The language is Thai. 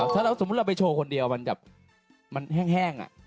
ถ้าสมมติเราไปโชว์คนเดียวมันแห้งอะ